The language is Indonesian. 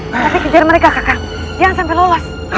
tapi kejar mereka kakak jangan sampai lolos